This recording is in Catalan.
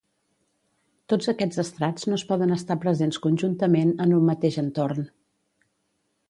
Tots aquests estrats no es poden estar presents conjuntament en un mateix entorn.